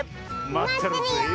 まってるよ！